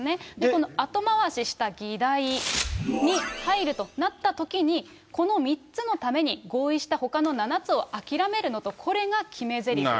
この後回しした議題に入るとなったときに、この３つのために合意したほかの７つを諦めるの？と、これが決めぜりふ。